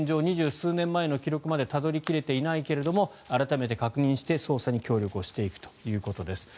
２０数年前の記録までたどり切れていないけど改めて確認して捜査に協力していくと。